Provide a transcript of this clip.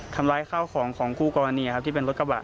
ทำร้ายข้าวของของคู่กรณีครับที่เป็นรถกระบะ